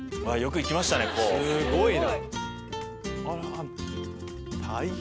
すごいな！